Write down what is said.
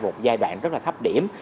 và một giai đoạn rất là thấp điểm